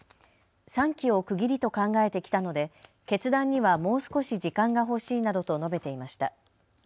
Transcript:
３期を区切りと考えてきたので決断にはもう少し時間が欲しいなどと述べていました。